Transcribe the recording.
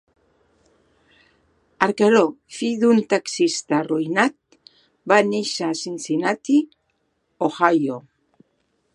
Arcaro, fill d'un taxista arruïnat, va néixer a Cincinnati, Ohio.